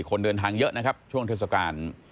คนเดินทางเยอะนะครับช่วงเทศกาล